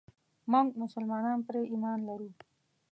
موږ مسلمانان پرې ايمان لرو.